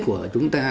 của chúng ta